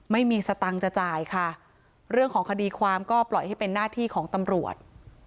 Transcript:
ไม่มีสตังค์จะจ่ายค่ะเรื่องของคดีความก็ปล่อยให้เป็นหน้าที่ของตำรวจ